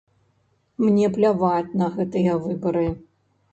Мне пляваць на гэтыя выбары.